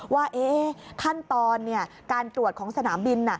ว่าขั้นตอนการตรวจของสนามบิน